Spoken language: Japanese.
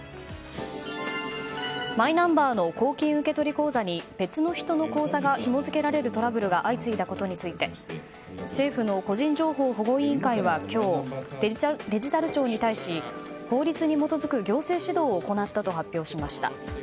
マイナンバーの公金受取口座に別の人の口座がひも付けられるトラブルが相次いだことについて政府の個人情報保護委員会は今日デジタル庁に対し法律に基づく行政指導を行ったと発表しました。